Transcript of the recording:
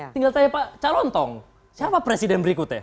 tinggal tanya pak calontong siapa presiden berikutnya